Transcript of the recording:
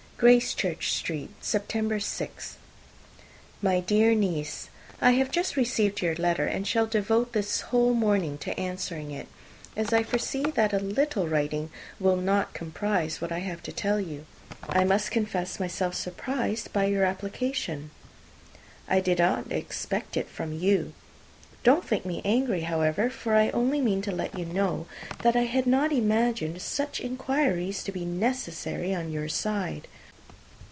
/* RIGHT "Gracechurch Street, Sept. 6. */ "My dear Niece, "I have just received your letter, and shall devote this whole morning to answering it, as I foresee that a little writing will not comprise what I have to tell you. I must confess myself surprised by your application; I did not expect it from you. Don't think me angry, however, for I only mean to let you know, that I had not imagined such inquiries to be necessary on your side.